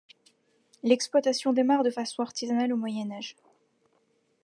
L'exploitation démarre de façon artisanale au moyen-age.